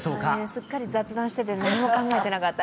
すっかり雑談してて何も考えてなかった。